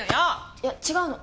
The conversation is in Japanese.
いや違うの。